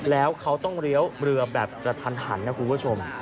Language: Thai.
แล้วเขาต้องเลี้ยวเรือแบบกระทันหันนะคุณผู้ชม